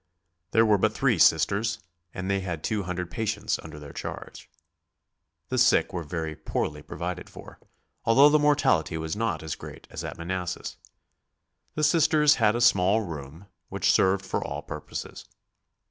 There were but three Sisters, and they had two hundred patients under their charge. The sick were very poorly provided for, although the mortality was not as great as at Manassas. The Sisters had a small room, which served for all purposes.